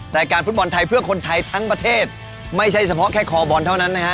รายการฟุตบอลไทยเพื่อคนไทยทั้งประเทศไม่ใช่เฉพาะแค่คอบอลเท่านั้นนะฮะ